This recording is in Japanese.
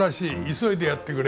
急いでやってくれ。